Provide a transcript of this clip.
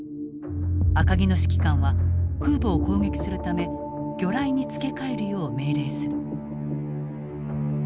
赤城の指揮官は空母を攻撃するため魚雷に付け替えるよう命令する。